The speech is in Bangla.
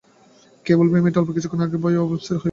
কে বলবে এই মেয়েটিই অল্প কিছুক্ষণ আগে ভয়ে অস্থির হয়ে গিয়েছিল!